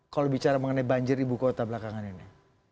kalau bicara mengenai banjir di buku kota belakangan ini